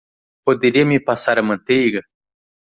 Poderia me passar a manteiga.